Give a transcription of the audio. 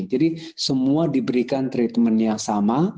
semua diberikan treatment yang sama